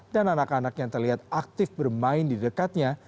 dan anak anak yang terlihat aktif bermain di dekatnya